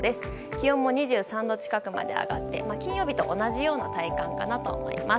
気温も２３度近くまで上がって金曜日と同じような体感かなと思います。